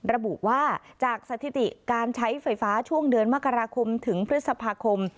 ระบุว่าจากสถิติการใช้ไฟฟ้าช่วงเดือนมกราคมถึงพฤษภาคม